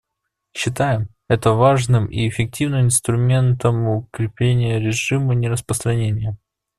Считаем это важным и эффективным инструментом укрепления режима нераспространения.